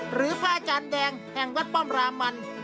พระอาจารย์แดงแห่งวัดป้อมรามัน